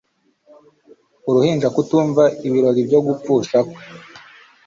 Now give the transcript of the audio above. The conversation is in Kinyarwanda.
Uruhinja kutumva ibirori byo gupfusha kwe